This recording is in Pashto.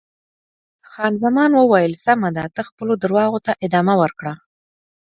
خان زمان وویل: سمه ده، ته خپلو درواغو ته ادامه ورکړه.